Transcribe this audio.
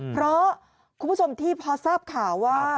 เพราะคุณผู้ชมที่พอทราบข่าวว่า